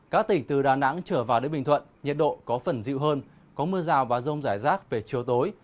các tỉnh từ đà nẵng trở vào đến bình thuận nhiệt độ có phần dịu hơn có mưa rào và rông rải rác về chiều tối